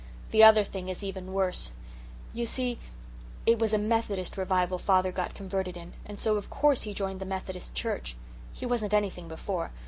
The other thing is even worse. You see, it was a Methodist revival father got converted in, and so of course he joined the Methodist church. He wasn't anything before.